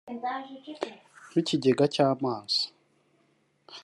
nk’ikigega cy’amazi